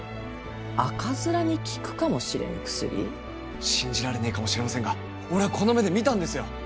赤面に効くかもしれぬ薬？信じられねえかもしれませんが俺ぁこの目で見たんですよ！